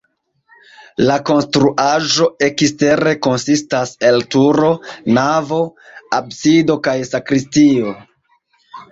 La konstruaĵo ekstere konsistas el turo, navo, absido kaj sakristio.